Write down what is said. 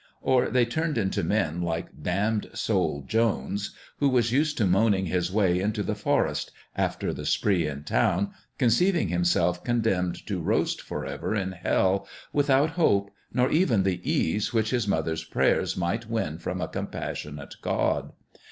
Or they turned into men like Damned Soul Jones, who was used to moaning his way into the forest, after the spree in town, conceiving himself condemned to roast forever in hell, without hope, nor even the ease which his mother's prayers might win from a compassionate God.